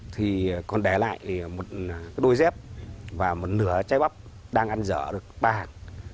thì còn để lại một đôi dép và một nửa trái bắp đang ăn dở được ba hạng